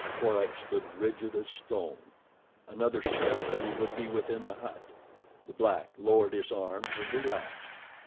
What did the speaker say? Korak stood rigid as stone. Another step and he would be within the hut. The black lowered his arms and relaxed.